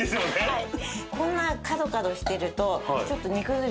はい。